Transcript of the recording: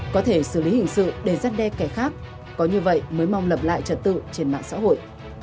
có thể xử lý hình sự để giăn đe kẻ khác có như vậy mới mong lập lại trật tự trên mạng xã hội